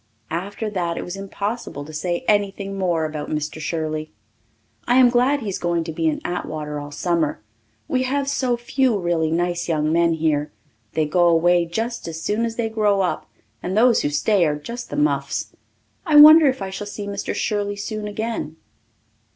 After that it was impossible to say anything more about Mr. Shirley. I am glad he is going to be in Atwater all summer. We have so few really nice young men here; they go away just as soon as they grow up and those who stay are just the muffs. I wonder if I shall see Mr. Shirley soon again.